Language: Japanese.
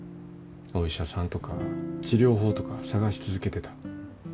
お医者さんとか治療法とか探し続けてた。